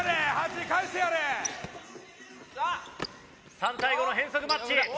３対５の変則マッチ。